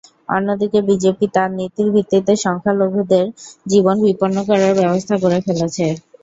অন্যদিকে বিজেপি তার নীতির ভিত্তিতে সংখ্যালঘুদের জীবন বিপন্ন করার ব্যবস্থা করে ফেলছে।